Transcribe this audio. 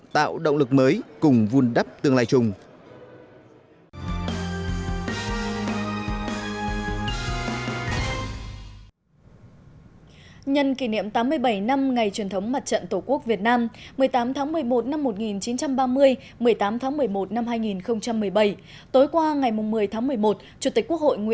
tạo động lực mới cùng vun đắp tương lai chung